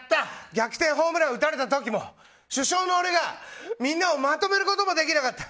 逆転ホームラン打たれた時も主将の俺がみんなをまとめることもできなかった。